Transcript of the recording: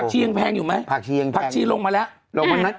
ผักชี่ยังแพงอยู่ไหมผักชี่ยังแพงแพงผักชี่ลงมาแล้ว